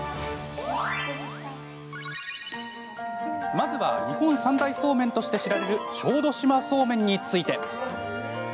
まずは日本三大そうめんとして知られる小豆島そうめんについて。